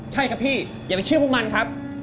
ใช่ครับพี่อย่าไปเชื่อพวกมันครับ